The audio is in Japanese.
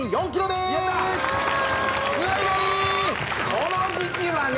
この時期はね